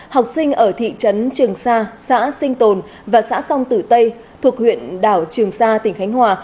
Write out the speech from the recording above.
học sinh ở thị trấn trường sa xã sinh tồn và xã song tử tây thuộc huyện đảo trường sa tỉnh khánh hòa